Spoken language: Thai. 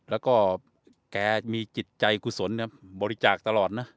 แล้วก็แกมีจิตใจกุศลบริจาคตลอดนะ